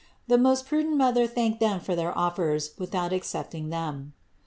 The most prudent Mother thanked them for their offers without accepting them.